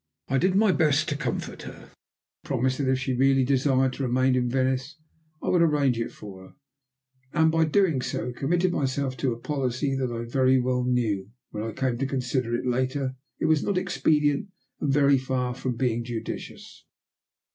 I did my best to comfort her; promised that if she really desired to remain in Venice I would arrange it for her, and by so doing committed myself to a policy that I very well knew, when I came to consider it later, was not expedient, and very far from being judicious.